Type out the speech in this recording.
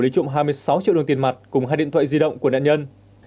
lấy trộm hai mươi sáu triệu đồng tiền mặt cùng hai điện thoại di động của nạn nhân